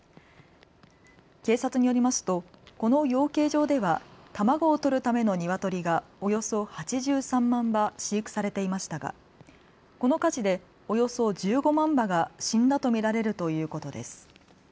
警察によりますとこの養鶏場では卵を取るためのニワトリがおよそ８３万羽飼育されていましたがこの火事でおよそ１５万羽が死んだと見られるということです。